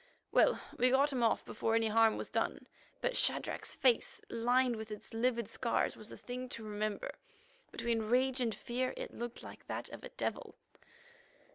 Well, we got him off before any harm was done, but Shadrach's face, lined with its livid scars, was a thing to remember. Between rage and fear, it looked like that of a devil.